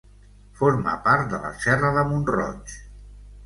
Forma part de la Serra de Mont-roig.